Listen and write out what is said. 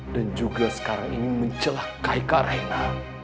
dan juga sekarang ini mencelakai karaina